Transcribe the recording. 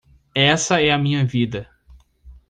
Essa é a minha vida.